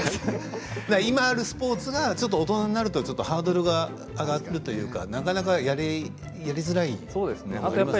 今できるスポーツが大人になるとハードルが上がるというかやりづらいとか。